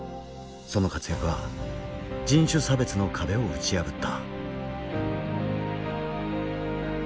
その活躍は人種差別の壁を打ち破った。